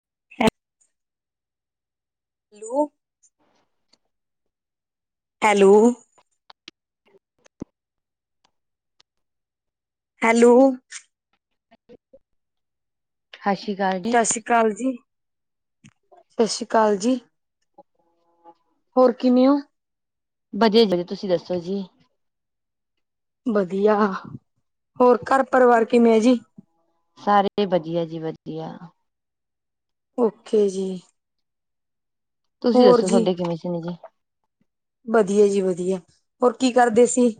[inaudible] ਲੋ [inaudible] hello hello ਸਸ ਸ਼੍ਰੀ ਕਾਲ ਜੀ। ਕਾਲ ਜੀ ਸਸ ਸ਼੍ਰੀ ਕਾਲ ਜੀ। [inaudible] ਹੋਰ ਕਿਮੇ ਓ? ਵਧੀਆ, ਤੁਸੀ ਦਸੋ ਜੀ। ਵਧੀਆ, ਹੋਰ ਘਰ ਪਰਵਾਰ ਕਿਮੇਂ ਐ ਜੀ? ਸਾਰੇ ਵਧੀਆ ਜੀ ਵਧੀਆ। ਓਕੇ ਜੀ। ਤੁਸੀ ਹੋਰ ਦਸੋ ਜੀ ਤੁਹਾਡੇ ਕਿਵੇਂ ਸੀ ਨੇ ਜੀ। ਵਧੀਆ ਜੀ ਵਧੀਆ, ਹੋਰ ਕੀ ਕਰਦੇ ਸੀ?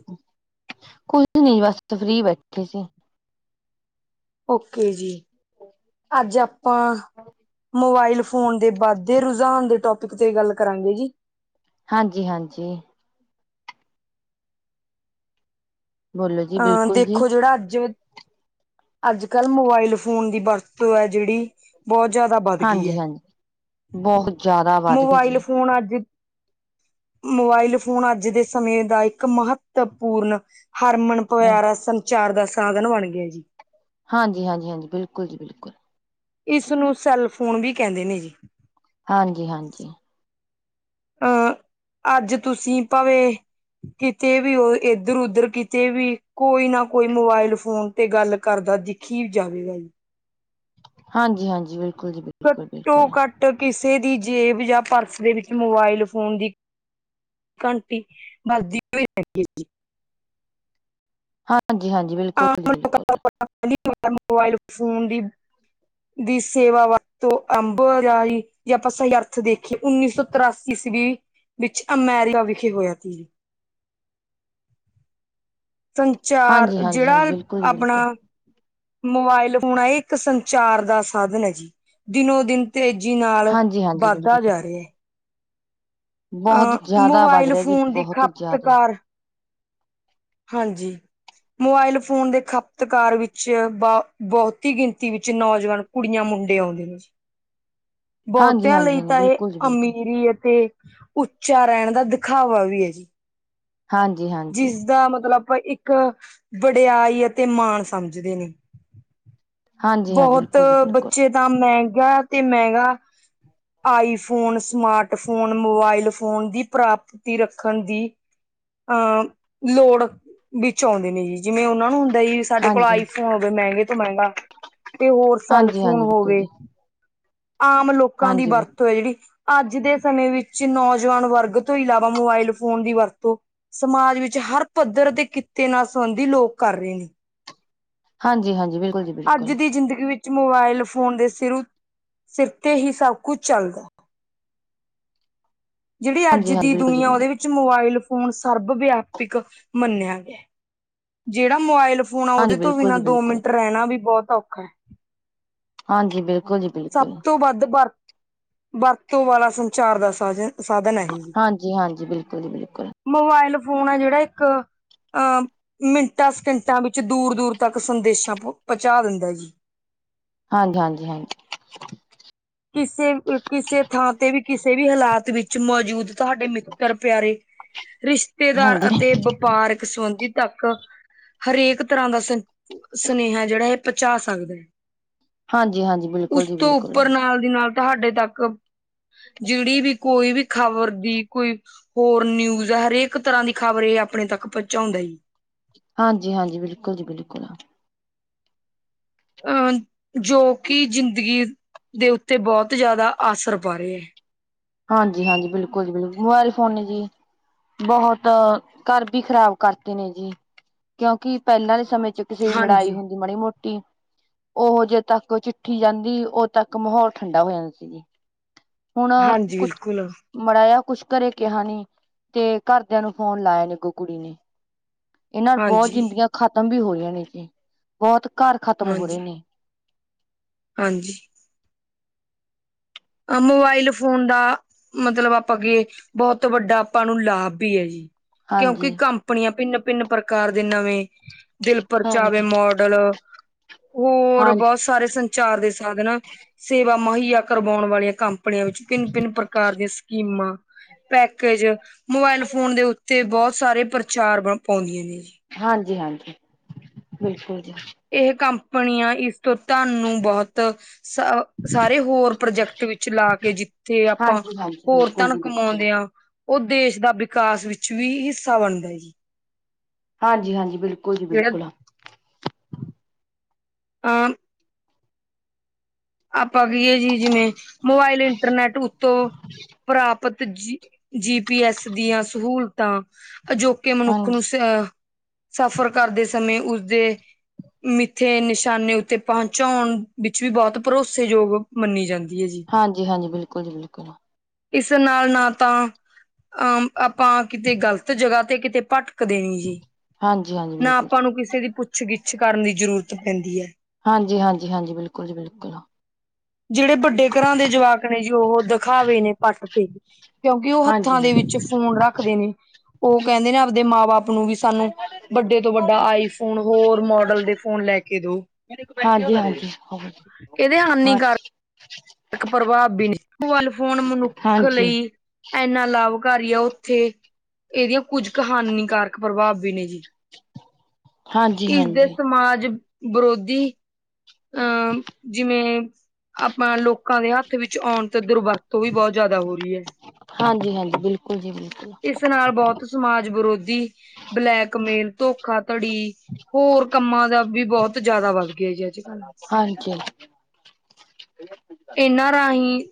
ਕੁਝ ਨੀ ਬਸ ਫਰੀ ਬੈਠੇ ਸੀ। ਓਕੇ ਜੀ, ਅੱਜ ਆਪਾਂ ਮੋਬਾਇਲ ਫੋਨ ਦੇ ਬਾਧੇ ਰੁਝਾਨ ਦੇ ਟੋਪਿਕ ਤੇ ਗੱਲ ਕਰਾਂਗੇ ਜੀ। ਹਾਂਜੀ ਹਾਂਜੀ। ਬੋਲੋ ਜੀ ਆਂ ਬਿਲਕੁਲ ਜੀ ਦੇਖੋ ਜੇੜਾ ਅੱਜ ਅੱਜ ਕੱਲ ਮੋਬਾਇਲ ਫੋਨ ਦੀ ਬਰਤੋਂ ਐ ਜੇੜੀ ਬੋਤ ਜਾਦਾ ਬਧ ਗੀ ਐ। ਹਾਂਜੀ ਹਾਂਜੀ ਬਹੁਤ ਜ਼ਿਆਦਾ ਵੱਧ ਗਈ ਮੋਬਾਇਲ ਜੀ ਫੋਨ ਅੱਜ ਮੋਬਾਇਲ ਫੋਨ ਅੱਜ ਦੇ ਸਮੇਂ ਦਾ ਇੱਕ ਮਹੱਤਵਪੂਰਨ ਹਰਮਨ ਪਆਰਾ ਸੰਚਾਰ ਦਾ ਸਾਧਨ ਬਣ ਗੇਆ ਜੀ। ਹਾਂਜੀ ਹਾਂਜੀ ਹਾਂਜੀ, ਬਿਲਕੁਲ ਜੀ ਬਿਲਕੁਲ। ਇਸ ਨੂੰ ਸੈਲ ਫੋਨ ਵੀ ਕੈੱਦੇ ਨੇ ਜੀ। ਹਾਂਜੀ ਹਾਂਜੀ। ਅ ਅੱਜ ਤੁਸੀ ਭਾਵੇਂ ਕਿਤੇ ਵੀ ਓ ਏਦਰ ਉਦਰ ਕਿਤੇ ਵੀ ਕੋਈ ਨਾ ਕੋਈ ਮੋਬਾਇਲ ਫੋਨ ਤੇ ਗੱਲ ਕਰਦਾ ਦਿਖੀ ਜਾਵੇਗਾ ਜੀ। ਹਾਂਜੀ ਹਾਂਜੀ ਬਿਲਕੁਲ ਜੀ ਬਿ ਘੱਟੋ ਘੱਟ ਕਿਸੇ ਦੀ ਜੇਬ ਯਾ ਪਰਸ ਦੇ ਵਿੱਚ ਮੋਬਾਇਲ ਫੋਨ ਦੀ ਘੰਟੀ ਵੱਜਦੀ ਪਈ ਹੈਗੀ ਜੀ। ਹਾਂਜੀ ਹਾਂ [unintelligible] ਮੋਬਾਇਲ ਫੋਨ ਦੀ ਦੀ ਸੇਵਾ [unintelligible] ਜੇ ਆਪਾਂ ਸਈ ਅਰਥ ਦੇਖੀਏ ਉੱਨੀ ਸੌ ਤਰਾਸੀ ਈਸਵੀ ਵਿੱਚ ਅਮੈਰੀਕਾ ਵਿਖੇ ਹੋਇਆ ਸੀ। ਸੰਚਾਰ ਹਾਂਜੀ ਹਾਂਜੀ ਜੇੜਾ ਹਾਂਜੀ ਬਿਲਕੁਲ ਜੀ ਅਪਣਾ ਬਿਲਕੁਲ ਮੋਬਾਇਲ ਫੋਨ ਐ ਏਕ ਸੰਚਾਰ ਦਾ ਸਾਧਨ ਐ ਜੀ। ਦਿਨੋ ਦਿਨ ਤੇਜੀ ਨਾਲ ਹਾਂਜੀ ਹਾਂਜੀ ਬਾਧਾ ਬਿਲਕੁਲ ਜਾ ਰੇਆ ਐ। ਬਹੁਤ ਅ ਜ਼ਿਆਦਾ ਵੱਧ ਮੋਬਾਇਲ ਰਿਹਾ ਜੀ ਫੋਨ ਦੀ ਬਹੁਤ ਜ਼ਿਆਦਾ ਖਪਤਕਾਰ ਹਾਂਜੀ। ਮੋਬਾਇਲ ਫੋਨ ਦੇ ਖਪਤਕਾਰ ਵਿੱਚ ਬ ਬੋਹਤੀ ਗਿਣਤੀ ਵਿੱਚ ਨੌਜਵਾਨ ਕੁੜੀਆਂ ਮੁੰਡੇ ਆਉਂਦੇ ਨੇ ਜੀ। ਹਾਂਜੀ ਬੋਤੇਆਂ ਹਾਂਜੀ ਲਈ ਹਾਂਜੀ ਤਾਂ ਏ ਬਿਲਕੁਲ ਜੀ ਬਿਲਕੁਲ ਅਮੀਰੀ ਅਤੇ ਉੱਚਾ ਰੈਣ ਦਾ ਦਿਖਾਵਾ ਵੀ ਐ ਜੀ। ਹਾਂਜੀ ਹਾਂਜੀ ਜਿਸਦਾ ਮਤਲਬ ਪਾਂ ਇੱਕ ਬਡਿਆਈ ਅਤੇ ਮਾਣ ਸਮਝਦੇ ਨੇ। ਹਾਂਜੀ ਹਾਂ ਬੋਹਤ ਬਿਲਕੁਲ ਜੀ ਬਿਲਕੁਲ ਬੱਚੇ ਤਾਂ ਮੈਂਹਗਾ ਤੇ ਮੈੰਗਾ iPhone, smart phone, mobile phone ਦੀ ਪ੍ਰਾਪਤੀ ਰੱਖਣ ਦੀ ਅ ਲੋੜ ਵਿੱਚ ਆਉਂਦੇ ਨੇ ਜੀ। ਜਿਵੇਂ ਓਨਾਂ ਨੂੰ ਹੁੰਦਾ ਜੀ ਸਾਡੇ ਕੋਲ ਹਾਂਜੀ ਆਈਫੋਨ ਹੋਵੇ ਮੈਂਗੇ ਤੋਂ ਮੈਂਗਾ ਤੇ ਹੋਰ ਸੈਲ ਹਾਂਜੀ ਫੋਨ ਹਾਂਜੀ ਬਿਲਕੁਲ ਜੀ ਹੋਵੇ। ਆਮ ਲੋਕਾਂ ਦੀ ਹਾਂਜੀ ਵੀ ਬਰਤ ਤਿਹੜੀ, ਅੱਜ ਦੇ ਸਮੇਂ ਵਿੱਚ ਨੌਜਵਾਨ ਵਰਗ ਤੋਂ ਇਲਾਵਾ ਮੋਬਾਇਲ ਫੋਨ ਦੀ ਵਰਤੋਂ ਸਮਾਜ ਵਿੱਚ ਹਰ ਪੱਧਰ ਦੇ ਕਿੱਤੇ ਨਾਲ ਸੰਬੰਧੀ ਲੋਕ ਕਰ ਰਹੇ ਨੇ ਹਾਂਜੀ- ਹਾਂਜੀ ਬਿਲਕੁਲ ਜੀ ਬਿਲਕੁਲ ਅੱਜ ਦੀ ਜ਼ਿੰਦਗੀ ਵਿੱਚ ਮੋਬਾਇਲ ਫੋਨ ਦੇ ਸਿਰੂ, ਸਿਰ ਤੇ ਹੀ ਸਭ ਕੁਝ ਚੱਲਦਾ ਜੇੜੀ ਅੱਜ ਹਾਂਜੀ ਹਾਂਜੀ ਦੀ ਬਿਲਕੁਲ ਜੀ ਦੁਨੀਆ ਬਿਲਕੁਲ ਉਹਦੇ ਵਿੱਚ ਮੋਬਾਇਲ ਫੋਨ ਸਰਬ ਵਿਆਪਕ ਮੰਨਿਆ ਗਿਆ ਜੇੜਾ ਮੋਬਾਇਲ ਫੋਨ ਆ ਹਾਂਜੀ ਉਹਦੇ ਤੋਂ ਬਿਲਕੁਲ ਬਿਨਾ ਜੀ ਦੋ ਬਿਲਕੁਲ ਮਿੰਟ ਰਹਿਣਾ ਵੀ ਬਹੁਤ ਔਖਾ ਹੈ ਹਾਂਜੀ ਬਿਲਕੁਲ ਜੀ ਸਭ ਬਿਲਕੁਲ ਤੋਂ ਵੱਧ ਵਰ, ਵਰਤੋਂ ਵਾਲਾ ਸੰਚਾਰ ਦਾ ਸਾਧ, ਸਾਧਨ ਹੈ ਇਹ ਹਾਂਜੀ- ਹਾਂਜੀ ਬਿਲਕੁਲ, ਬਿਲਕੁਲ ਮੋਬਾਇਲ ਫੋਨ ਆ ਜੇੜਾ ਇੱਕ ਅਹ, ਮਿੰਟਾਂ ਸਕਿੰਟਾਂ ਵਿੱਚ ਦੂਰ -ਦੂਰ ਤੱਕ, ਸੰਦੇਸ਼ਾਂ ਪਹੁੰਚਾ ਦਿੰਦਾ ਜੀ ਹਾਂਜੀ- ਹਾਂਜੀ- ਹਾਂਜੀ ਕਿਸੇ, ਕਿਸੇ ਥਾਂ ਤੇ ਵੀ ਕਿਸੇ ਵੀ ਹਾਲਾਤ ਵਿੱਚ ਮੌਜੂਦ ਤੁਹਾਡੇ ਮਿੱਤਰ ਪਿਆਰੇ ਰਿਸ਼ਤੇਦਾਰ ਹਾਂਜੀ ਅਤੇ ਵਪਾਰਕ ਸੰਬੰਧੀ ਤੱਕ ਹਰੇਕ ਤਰ੍ਹਾਂ ਦਾ ਸੁਨ, ਸੁਨੇਹਾ ਜੇੜਾ ਇਹ ਪਹੁੰਚਾ ਸਕਦੇ। ਹਾਂਜੀ-ਹਾਂਜੀ, ਬਿਲਕੁਲ ਜੀ ਬਿਲਕੁਲ। ਇਹਦੇ ਨਾਲ ਤੁਹਾਡੇ ਤੱਕ, ਜਿਹੜੀ ਵੀ ਕੋਈ ਵੀ ਖਬਰ ਦੀ ਕੋਈ, ਹੋਰ ਨਿਊਜ਼ ਹਰੇਕ ਤਰ੍ਹਾਂ ਦੀ ਖਬਰ ਇਹ ਆਪਣੇ ਤੱਕ ਪਹੁੰਚਾਉਂਦੇ ਨੇ, ਹਾਂਜੀ-ਹਾਂਜੀ, ਬਿਲਕੁਲ ਜੀ ਬਿਲਕੁਲ। ਅਹ, ਜੋ ਕਿ ਜ਼ਿੰਦਗੀ ਦੇ, ਉੱਤੇ ਬਹੁਤ ਜ਼ਿਆਦਾ ਆਸਰ ਪਾ ਰਹੇ ਹਾਂਜੀ-ਹਾਂਜੀ, ਬਿਲਕੁਲ ਜੀ ਬਿਲਕੁਲ ਮੋਬਾਇਲ ਫੋਨ ਜੀ। ਬਹੁਤ, ਘਰ ਵੀ ਖ਼ਰਾਬ ਕਰਤੇ ਨੇ ਜੀ, ਕਿਉਂਕਿ ਪਹਿਲਾਂ ਦੇ ਸਮੇਂ 'ਚ ਕਿਸੇ ਦੀ ਲੜਾਈ ਹਾਂਜੀ, ਹੁੰਦੀ, ਮਾੜੀ -ਮੋਟੀ ਉਹ ਜਦ ਤੱਕ ਚਿੱਠੀ ਜਾਂਦੀ, ਉਦੋਂ ਤੱਕ ਮਾਹੌਲ ਠੰਡਾ ਹੋ ਜਾਂਦਾ ਸੀ। ਹੁਣ ਹਾਂਜੀ ਕੁਛ ਬਿਲਕੁਲ ਮਾੜਾ ਜਿਹਾ ਕੁਛ ਘਰੇ ਕਿਹਾ ਨੀ, ਤੇ ਘਰਦਿਆਂ ਨੂੰ ਫੋਨ ਲਾਇਆ ਨਹੀ ਤੇ ਅੱਗੋ ਕੁੜੀ ਨੇ। ਇਹਨਾਂ ਬਹੁਤ ਹਾਂਜੀ, ਜ਼ਿੰਦੀਆਂ ਖਤਮ ਵੀ ਹੋ ਰਹੀਆਂ ਨੇ ਜੀ, ਬਹੁਤ ਘਰ ਖ਼ਤਮ ਹੋ ਹਾਂਜੀ, ਰਹੇ ਨੇ। ਹਾਂਜੀ, ਆ, ਮੋਬਾਇਲ ਫੋਨ ਦਾ, ਮਤਲਬ ਆਪਾਂ ਅੱਗੇ, ਬਹੁਤ ਵੱਡਾ ਆਪਾਂ ਨੂੰ ਲਾਭ ਵੀ ਹੈ ਜੀ। ਕਿਉਂਕਿ ਹਾਂਜੀ ਕੰਪਨੀਆਂ ਭਿੰਨ-ਭਿੰਨ ਪ੍ਰਕਾਰ ਦੇ ਨਵੇਂ, ਦਿਲ ਪਰਚਾਵੇ ਹਾਂਜੀ ਮੋੜ ਹੈਲੋ, ਹੋਰ ਹਾਂਜੀ ਬਹੁਤ ਸਾਰੇ ਸੰਚਾਰ ਦੇ ਸਾਧਨ, ਸੇਵਾ ਮੁਹੱਈਆ ਕਰ ਆਉਣ ਵਾਲੀਆਂ ਕੰਪਨੀਆਂ ਵਿੱਚ ਭਿੰਨ-ਭਿੰਨ ਪ੍ਰਕਾਰ ਦੀਆਂ ਸਕੀਮਾਂ ਪੈਕੇਜ, ਮੋਬਾਇਲ ਫੋਨ ਦੇ ਉੱਤੇ ਬਹੁਤ ਸਾਰੇ ਪ੍ਰਚਾਰ ਪਾਉਂਦੀਆਂ ਨੇ ਜੀ। ਹਾਂਜੀ-ਹਾਂਜੀ, ਬਿਲਕੁਲ ਜੀ। ਇਹ ਕੰਪਨੀਆਂ, ਇਸ ਤੋਂ ਤਾਨੂੰ ਬਹੁਤ ਸ, ਸਾਰੇ ਹੋਰ ਪ੍ਰੋਜੈਕਟ ਵਿੱਚ ਲਾ ਕੇ ਜਿੱਥੇ ਆਪਾਂ ਹਾਂਜੀ ਹਾਂਜੀ ਹੋਰ ਬਿਲਕੁਲ ਧੰਨ ਜੀ ਬਿਲਕੁਲ ਕਮਾਦਿਆਂ, ਉਹ ਦੇਸ਼ ਦਾ ਵਿਕਾਸ ਵਿੱਚ ਵੀ ਹਿੱਸਾ ਬਣਦਾ ਜੀ। ਹਾਂਜੀ-ਹਾਂਜੀ, ਬਿਲਕੁਲ ਜੀ ਬਿਲਕੁਲ। ਆਂ ਆਪਾਂ ਕਹੀਏ ਜੀ ਜਿਵੇਂ, ਮੋਬਾਇਲ ਇੰਟਰਨੈਟ ਉਤੋਂ, ਪ੍ਰਾਪ ਪ, ਤ ਜੀ ਪੀ ਐਸ ਦੀਆਂ ਸਹੂਲਤਾਂ, ਅਜੋਕੇ ਮਨੁੱਖ ਹਾਂਜੀ ਨੂੰ ਸ ਸਫਰ ਕਰਦੇ ਸਮੇਂ ਉਸਦੇ ਮਿੱਥੇ ਨਿਸ਼ਾਨੇ ਉੱਤੇ ਪਹੁੰਚਾਉਣ, ਵਿੱਚ ਵੀ ਬਹੁਤ ਭਰੋਸੇਯੋਗ ਮੰਨੀ ਜਾਂਦੀ ਐ ਜੀ। ਹਾਂਜੀ-ਹਾਂਜੀ, ਬਿਲਕੁਲ ਜੀ ਬਿਲਕੁਲ। ਇਸ ਨਾਲ ਨਾ ਤਾਂ ਅ ਆਪਾਂ ਕਿਤੇ ਗ਼ਲਤ ਜਗਾ ਤੇ ਕਿਤੇ ਪੱਟ ਕਦੇ ਨੀ ਜੀ ਹਾਂਜੀ ਹਾਂਜੀ ਨਾ ਬਿਲਕੁਲ ਆਪਾਂ ਨੂੰ ਕਿਸੇ ਦੀ ਪੁੱਛ ਗਿੱਛ ਕਰਨ ਦੀ ਜ਼ਰੂਰਤ ਪੈਂਦੀ ਐ। ਹਾਂਜੀ-ਹਾਂਜੀ, ਹਾਂਜੀ, ਬਿਲਕੁਲ ਜੀ ਬਿਲਕੁਲ। ਜੇੜੇ ਵੱਡੇ ਕਰਾਂ ਦੇ ਜਵਾਕ ਨੇ ਜੀ ਉਹ ਦਖਾਵੇ ਨੇ ਪੱਟ ਤੇ ਕਿਉਂਕਿ ਉਹ ਹੱਥਾਂ ਹਾਂਜੀ ਹਾਂ ਦੇ ਵਿੱਚ ਫੋਨ ਰੱਖਦੇ ਨੇ ਉਹ ਕਹਿੰਦੇ ਨੇ ਆਪਦੇ ਮਾਂ ਬਾਪ ਆਪ ਨੂੰ ਵੀ ਸਾਨੂੰ ਵੱਡੇ ਤੋਂ ਵੱਡਾ ਆਈਫੋਨ ਹੋਰ ਮੋਡਲ ਦੇ ਫੋਨ ਲੈ ਕੇ ਦੋ। ਹਾਂਜੀ-ਹਾਂਜੀ, ਹਾਂਜੀ ਹਾਂ। ਇਕ ਪ੍ਰਭਾਵ ਵੀ ਨੇ [inaudible] ਫੋਨ ਮਨੁੱਖ ਹਾਂਜੀ ਲਈ ਇੰਨਾ ਲਾਭਕਾਰੀ ਆ ਉੱਥੇ ਇਹਦੀਆਂ ਕੁੱਝ ਹਨੀਕਾਰਕ ਪ੍ਰਭਾਵ ਵੀ ਨੇ ਜੀ। ਹਾਂਜੀ ਇਸਦੇ ਹਾਂਜੀ ਸਮਾਜ ਵਰੋਧੀ ਅਹ ਜਿਵੇਂ ਆਪਾਂ ਲੋਕਾਂ ਦੇ ਹੱਥ ਵਿੱਚ ਆਉਣ ਤੇ ਦੁਰਵਰਤ ਤੋਂ ਵੀ ਬੋਤ ਜਾਦਾ ਹੋ ਰਹੀ ਏ। ਹਾਂਜੀ-ਹਾਂ ਬਿਲਕੁਲ ਜੀ ਬਿਲ ਇਸ ਨਾਲ ਬੋਤ ਸਮਾਜ ਵਿਰੋਧੀ ਬਲੈਕਮੇਲ, ਧੋਖਾਧੜੀ ਹੋਰ ਕੰਮਾਂ ਦਾ ਵੀ ਬੋਤ ਜਾਦਾ ਵੱਧ ਗਿਆ ਜੀ ਅੱਜ [unintelligible] ਹਾਂਜੀ। ਇਨਾਂ ਰਾਹੀਂ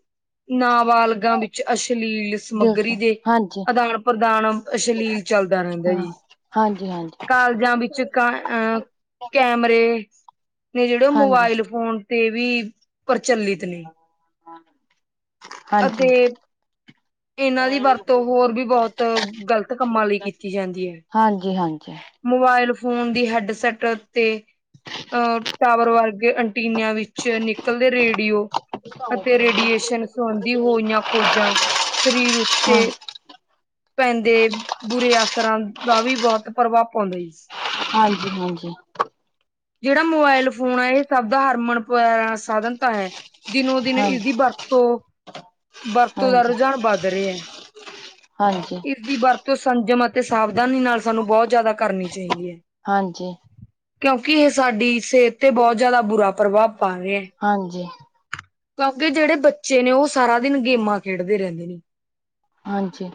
ਨਾ ਵਾਲ ਵਰਗਾਂ ਵਿੱਚ ਅਸ਼ਲੀਲ ਦੱਸੋ ਸਮੱਗਰੀ ਦੇ ਹਾਂਜੀ ਆਦਾਨ ਪ੍ਰਦਾਨ ਅਸ਼ਲੀਲ ਚੱਲਦਾ ਰਹਿੰਦਾ ਜੀ। ਹਾਂਜੀ-ਹਾਂਜ ਕਾਲਜਾਂ ਵਿੱਚ ਕ ਅ ਕੈਮਰੇ। ਨੇ ਜੇੜੇ ਉਹ ਹਾਂਜੀ ਮੋਬਾਈਲ ਫੋਨ ਟੀਵੀ ਪ੍ਰਚਲਿਤ ਨੇ ਹਾਂਜੀ ਅਤੇ [inaudible] ਇਨਾਂ ਦੀ ਵਰਤੋਂ ਹੋਰ ਵੀ ਬੋਹਤ ਗਲਤ ਕੰਮਾਂ ਲਈ ਕੀਤੀ ਜਾਂਦੀ ਏ। ਹਾਂਜੀ ਹਾਂਜੀ ਮੋਬਾਈਲ ਫੋਨ ਦੀ ਹੈਡ-ਸੈਟ ਤੇ ਅ ਟਾਵਰ ਵਰਗੇ ਐਨਟਿਨਿਆ ਵਿੱਚ ਨਿਕਲਦੇ ਰੇਡੀਓ। ਅਤੇ ਰੇਡੀਏਸ਼ਨ ਸਬੰਧੀ ਹੋਈਆਂ ਖੋਜਾਂ ਸਰੀਰ ਹਾਂ ਉੱਤੇ ਪੈਂਦੇ ਬੁਰੇ ਅਸਰਾਂ ਦਾ ਵੀ ਬੋਹਤ ਪ੍ਰਭਾਵ ਪਾਉਂਦਾ ਜੀ। ਹਾਂਜੀ-ਹਾਂਜੀ। ਜੇੜਾ ਮੋਬਾਇਲ ਫੋਨ ਐ ਏਹ ਸਭ ਦਾ ਹਰਮਨ ਪ ਅ ਸਾਧਨ ਤਾਂ ਹੈ। ਦਿਨੋ ਦਿਨ ਹਾਂ ਇਹਦੀ ਵਰਤੋਂ-ਵਰਤੋਂ ਦਾ ਹਾਂਜੀ ਰੁਝਾਨ ਵੱਧ ਰਿਆ। ਹਾਂਜੀ। ਇਦੀ ਵਰਤੋਂ ਸੰਜਮ ਅਤੇ ਸਾਵਧਾਨੀ ਨਾਲ ਸਾਨੂੰ ਬੋਤ ਜਾਦਾ ਕਰਨੀ ਚਾਹੀਦੀ ਐ। ਹਾਂਜੀ। ਕਿਉਂਕਿ ਏਹ ਸਾਡੀ ਸੇਹਤ ਤੇ ਬੋਤ ਜਾਦਾ ਬੁਰਾ ਪ੍ਰਭਾਵ ਪਾ ਰਿਆ। ਹਾਂਜੀ ਕਿਉਂਕਿ ਜੇੜੇ ਬੱਚੇ ਨੇ ਉਹ ਸਾਰਾ ਦਿਨ ਗੇਮਾਂ ਖੇਡਦੇ ਰੇੰਦੇ ਨੇ। ਹਾਂਜੀ।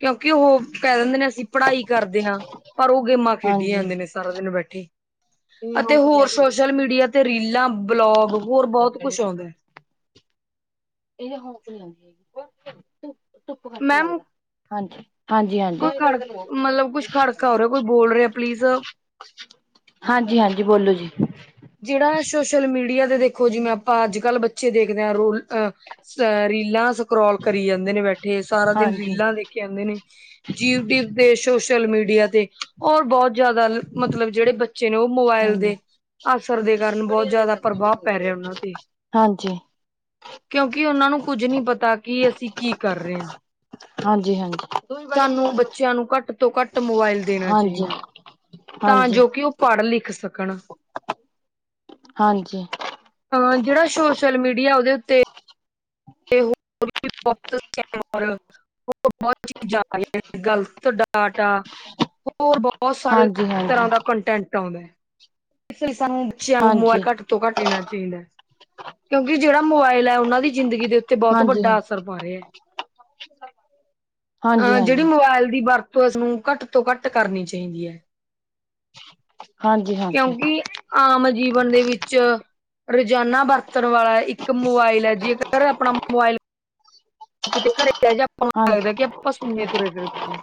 ਕਿਉਂਕਿ ਉਹ ਕੇ ਦਿੰਦੇ ਨੇ ਅਸੀਂ ਪੜ੍ਹਾਈ ਕਰਦੇ ਆ। ਪਰ ਉਹ ਗੇਮਾਂ ਖੇਡੀ ਹਾਂਜੀ ਜਾਂਦੇ ਨੇ ਸਾਰਾ ਦਿਨ ਬੈਠੇ ਅਤੇ ਹੋਰ ਸੋਸ਼ਲ ਮੀਡੀਆ ਤੇ ਰੀਲਾਂ ਬਲੋਗ ਹੋਰ ਬੋਹਤ ਕੁਝ ਔਂਦਾ। [inaudible] ਧੂਪ-ਧੂਪ ਕਰਕੇ ਮੈਮ ਲਗਦਾ। ਹਾਂਜੀ-ਹਾਂਜੀ। ਕੋਈ ਖੜ ਮਤਲਬ ਕੁਛ ਖੜਕਾ ਹੋ ਰਿਹਾ ਕੋਈ ਬੋਲ ਰਿਹਾ ਪਲੀਜ਼ ਹਾਂਜੀ ਹਾਂਜੀ ਬੋਲੋ ਜੀ। ਜਿਹੜਾ ਸੋਸ਼ਲ ਮੀਡਿਆ ਦੇ ਦੇਖੋ ਜਿਵੇਂ ਆਪਾਂ ਅੱਜ ਕੱਲ੍ਹ ਬੱਚੇ ਦੇਖਦੇ ਹ ਰੋਲ ਅ। ਰੀਲਾਂ ਸਕਰੋਲ ਕਰੀ ਜਾਂਦੇ ਨੇ ਬੈਠੇ ਸਾਰਾ ਦਿਨ ਹਾਂਜੀ ਰੀਲਾਂ ਦੇਖੀ ਜਾਂਦੇ ਨੇ। ਯੁਟਿਊਬ ਤੇ ਸੋਸ਼ਲ ਮੀਡੀਆ ਤੇ ਹੋਰ ਬਹੁਤ ਜਿਆਦਾ ਮਤਲਬ ਜਿਹੜੇ। ਬਚੇ ਨੇ ਉਹ ਮੋਬਾਇਲ ਹਾਂਜੀ ਦੇ। ਅਸਰ ਦੇ ਕਾਰਨ ਬਹੁਤ ਜ਼ਿਆਦਾ ਪ੍ਰਭਾਵ ਪੈ ਰਿਹਾ ਉਹਨਾਂ ਤੇ। ਹਾਂਜੀ ਕਿਉਂਕਿ ਉਨ੍ਹਾਂ ਨੂੰ ਕੁਝ ਨਹੀਂ ਪਤਾ ਕਿ ਅਸੀਂ ਕੀ ਕਰ ਰਹੇ ਹਾਂ। ਹਾਂਜੀ ਹਾਂਜੀ ਤੁਆਨੂੰ ਬੱਚਿਆਂ ਨੂੰ ਘੱਟ ਤੋਂ ਘੱਟ ਮੋਬਾਈਲ ਦੇਣਾ ਹਾਂਜੀ, ਚਾਹੀਦਾ ਹੈ। ਤਾਂ ਹਾਂਜੀ, ਜੋ ਕਿ ਉਹ ਪੜ੍ਹ ਲਿਖ ਸਕਣ। ਹਾਂਜੀ। ਅ ਜਿਹੜਾ ਸੋਸ਼ਲ ਮੀਡਿਆ ਉਹਦੇ ਉੱਤੇ। [inaudible] [inaudible] ਹੋਰ ਬਹੁਤ ਸਾਰੇ ਤਰ੍ਹਾਂ ਹਾਂਜੀ। ਦਾ ਕੰਟੈਂਟ ਆਉਂਦਾ ਹੈ ਇਸ ਲਈ ਸਾਨੂੰ। ਬੱਚਿਆਂ ਨੂੰ ਮੋਬਾਇਲ ਹਾਂਜੀ, ਘੱਟ ਤੋਂ ਘੱਟ ਦੇਣਾ ਚਾਹੀਦਾ ਹੈ ਕਿਉਂਕਿ ਜਿਹੜਾ ਮੋਬਾਇਲ ਹੈ ਉਹਨਾਂ ਦੀ ਜ਼ਿੰਦਗੀ ਤੋਂ। ਹਾਂਜੀ, ਬਹੁਤ ਹਾਂਜੀ, ਵੱਡਾ ਅਸਰ ਪਾ ਰਿਹਾ ਹੈ ਹਾਂਜੀ, ਅਹ ਜਿਹੜੀ ਮੋਬਾਇਲ ਦੀ ਵਰਤ। ਇਸਨੂੰ ਘੱਟ ਤੋਂ ਘੱਟ ਕਰਨੀ ਚਾਹੀਦੀ ਹੈ ਹਾਂਜੀ, ਹਾਂਜੀ। ਕਿਉਂਕਿ। ਆਮ ਜੀਵਨ ਦੇ ਵਿੱਚ। ਰੋਜ਼ਾਨਾ ਵਰਤਣ ਵਾਲਾ ਇੱਕ ਮੋਬਾਇਲ ਹੈ ਜੇਕਰ ਆਪਣਾ ਮੋਬਾਇਲ। ਕਿਤੇ ਘਰੇ ਰਹਿ ਜਾ ਆਪਾਂ ਹਾਂਜੀ, ਲੱਗਦਾ ਕਿ ਆਪਾਂ ਸੁਨੇ ਤੁਰੇ ਫਿਰਦੇ ਹਾਂ।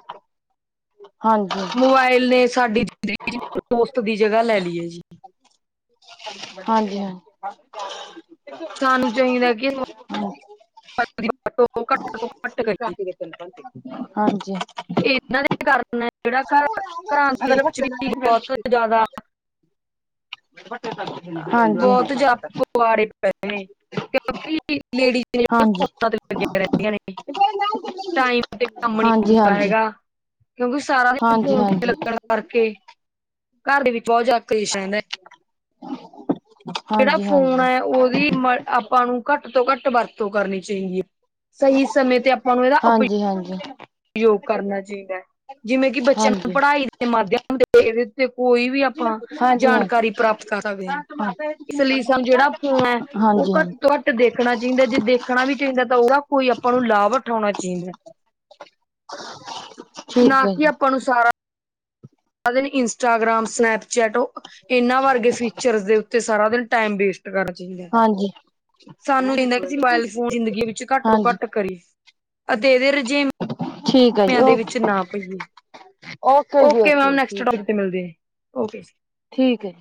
ਹਾਂਜੀ। ਮੋਬਾਈਲ ਨੇ ਸਾਡੀ ਜ਼ਿੰਦਗੀ ਚ ਦੋਸਤ ਦੀ ਜਗ੍ਹਾ ਲੈ ਲਈ ਹੈ ਜੀ। ਸਾਨੂੰ ਚਾਹੀਦਾ ਕਿ [inaudible] [inaudible] [inaudible] ਘਰਾਂ ਦੇ ਵਿੱਚ ਵੀ ਬੋਤ ਜ਼ਿਆਦਾ। ਬੇ ਪੱੇ [unintelligible] ਬਹੁਤ ਜਿਆਦਾ ਪੁਆੜੇ ਪੈ ਨੇ ਕਿਉਂਕਿ ਲੇਡੀਜ਼ ਨੇ ਫੋਨਾਂ ਤੇ। ਲੱਗੀਆਂ ਰਹਿੰਦੀਆਂ ਨੇ ਟਾਈਮ। ਕੰਮ ਨੀ ਹੁੰਦਾ ਹਾਂਜੀ। ਹੈਗਾ ਕਿਉਂਕਿ ਸਾਰਾ ਫੋਨ ਹਾਂਜੀ, ਲੱਗਣਾ। ਕਰਕੇ ਘਰ ਦੇ ਵਿੱਚ ਬਹੁਤ ਜ਼ਿਆਦਾ ਕਲੇਸ਼ ਰਹਿੰਦਾ ਹੈ। ਹਾਂਜੀ, ਜਿਹੜਾ ਹਾਂਜੀ, ਫੋਨ ਹੈ ਉਹਦੀ। ਆਪਾਂ ਨੂੰ ਘੱਟ ਤੋਂ ਘੱਟ ਵਰਤੋਂ ਕਰਨੀ ਚਾਹੀਦੀ ਹੈ ਸਹੀ ਸਮੇਂ ਤੇ। ਨੂੰ ਇਹਦਾ ਉਪ- ਹਾਂਜੀ-ਹਾਂਜੀ। ਯੋਗ ਕਰਨਾ ਚਾਹੀਦਾ ਹੈ ਜਿਵੇਂ ਕਿ ਬੱਚਿਆਂ ਨੂੰ ਹਾਂਜੀ, ਪੜ੍ਹਾਈ ਦੇ ਮਾਧਿਅਮ ਤੇ। ਤੇ ਕੋਈ ਵੀ ਆਪਾਂ ਜਾਣਕਾਰੀ ਪ੍ਰਾਪਤ ਕਰ ਸਕਦੇ ਹਾਂ ਇਸ ਲਈ ਸਾਨੂੰ ਜਿਹੜਾ। ਹਮ ਹਾਂਜੀ, ਹਾਂ ਉਹ ਘੱਟ ਤੋਂ ਘੱਟ ਦੇਖਣਾ। ਜਿੰਦੇ ਜੀ ਦੇਖਣਾ ਵੀ ਚਾਹੀਦਾ ਤੋਂ ਉਹਦਾ ਕੋਈ ਆਪਾਂ ਨੂੰ ਲਾਭ ਉਠਾਉਣਾ ਚਾਹੀਦਾ। ਨਾ ਠੀਕ ਹੈ ਕਿ ਜੀ, ਆਪਾਂ ਨੂੰ ਸਾਰਾ। ਸਾਰਾ ਦਿਨ ਇੰਸਟਾਗ੍ਰਾਮ ਸਨੈਪਚੈਟ ਇਨਾਂ ਵਰਗੇ ਫੀਚਰ ਦੇ ਉੱਤੇ ਸਾਰਾ ਦਿਨ ਟਾਈਮ ਵੇਸਟ। ਹਾਂਜੀ, ਸਾਨੂੰ ਮੋਬਾਇਲ ਫੋਨ ਜ਼ਿੰਦਗੀ ਵਿੱਚ ਘੱਟ ਤੋਂ ਹਾਂਜੀ। ਘੱਟ ਕਰੀਏ। ਅਤੇ ਇਹਦੇ ਰਝੇ ਠੀਕ ਹੈ ਜੀ ਦੇ ਓਕੇ ਵਿੱਚ ਨਾ ਪਈਏ। ਓਕੇ ਓੈੋ ਜੀ। ਓਕੇ ਠੀਕ ਹੈ ਤੇ ਮਿਲਦੇਓ [inaudible] ਠੀਕ ਹੈ।